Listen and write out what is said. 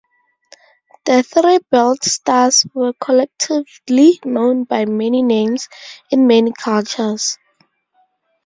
The three belt stars were collectively known by many names in many cultures.